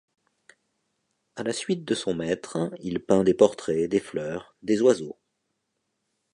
À la suite de son maître, il peint des portraits, des fleurs, des oiseaux.